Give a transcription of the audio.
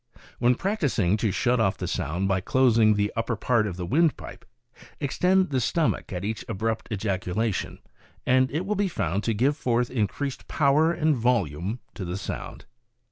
"When practicing to shut off the sound by closing the upper part of the windpipe, extend the stomach at each abrupt ejaculation, and it will be found to give forth increased power and volume to the sound.